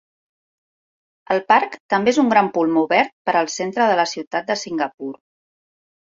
El parc també és un gran pulmó verd per al centre de la ciutat de Singapur.